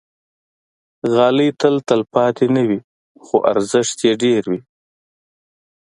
غالۍ تل تلپاتې نه وي، خو ارزښت یې ډېر وي.